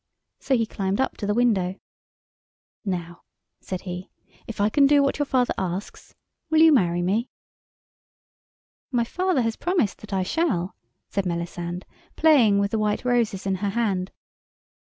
So he climbed up to the window. "Now," said he, "if I can do what your father asks, will you marry me?" "My father has promised that I shall," said Melisande, playing with the white roses in her hand.